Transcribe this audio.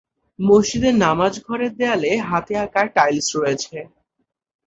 মসজিদের নামাজ ঘরের দেয়ালে হাতে আঁকা টাইলস রয়েছে।